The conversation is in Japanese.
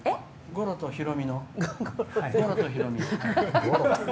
ゴロとヒロミの。